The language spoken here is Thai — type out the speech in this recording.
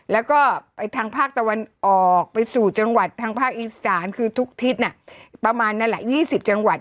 แล้วก็ไปทางภาคตะวันออกไปสู่จังหวัดทางภาคอีสานคือทุกทิศประมาณนั้นแหละ๒๐จังหวัด